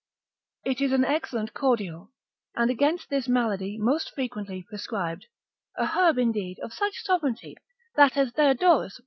It is an excellent cordial, and against this malady most frequently prescribed; a herb indeed of such sovereignty, that as Diodorus, lib.